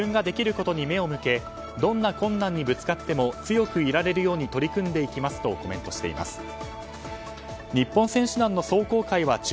自分ができることに目を向けどんな困難にぶつかっても強くいられるように取り組んでいきますとコメントしています。